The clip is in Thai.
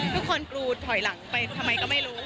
ทุกคนกรูถอยหลังไปทำไมก็ไม่รู้